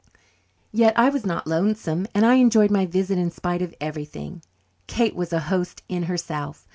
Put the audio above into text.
Yet I was not lonesome, and I enjoyed my visit in spite of everything. Kate was a host in herself.